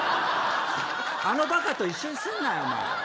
あのバカと一緒にすんなよ。